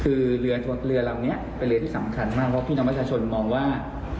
คือเรือลำนี้เป็นเรือที่สำคัญมากเพราะพี่น้องประชาชนมองว่า